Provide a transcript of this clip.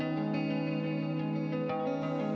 oke salam pahlawan